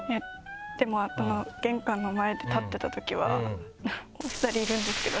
でも玄関の前で立ってたときはお二人いるんですけど。